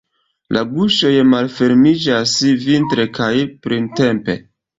La guŝoj malfermiĝas vintre kaj printempe.